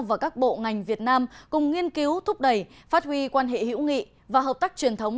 và các bộ ngành việt nam cùng nghiên cứu thúc đẩy phát huy quan hệ hữu nghị và hợp tác truyền thống